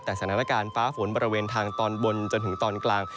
แต่สถานการณ์ฟ้าฝนบริเวณทางตอนบนจนถึงตอนกลาง